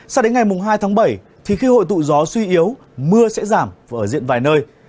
sao đến ngày hai tháng bảy thì khi hội tụ gió suy yếu mưa sẽ giảm và ở diện vài nơi